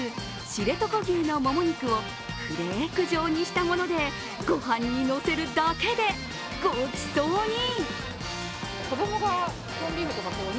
知床牛のもも肉をフレーク状にしたもので、御飯にのせるだけでごちそうに。